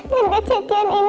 tidak ada kejadian